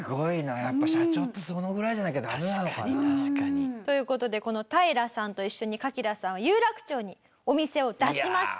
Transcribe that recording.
やっぱ社長ってそのぐらいじゃなきゃダメなのかな？という事でこの平さんと一緒にカキダさんは有楽町にお店を出しました。